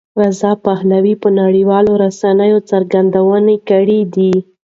رضا پهلوي په نړیوالو رسنیو څرګندونې کړې دي.